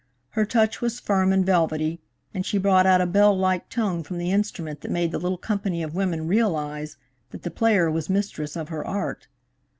Her touch was firm and velvety, and she brought out a bell like tone from the instrument that made the little company of women realize that the player was mistress of her art.